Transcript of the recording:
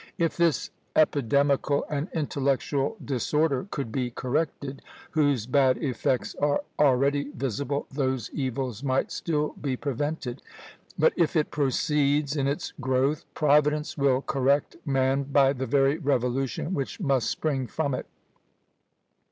_ If this epidemical and intellectual disorder could be corrected, whose bad effects are already visible, those evils might still be prevented; but if it proceeds in its growth, Providence will correct man by the very revolution which must spring from it.